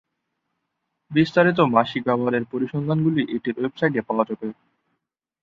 বিস্তারিত মাসিক ব্যবহারের পরিসংখ্যানগুলি এটির ওয়েবসাইটে পাওয়া যাবে।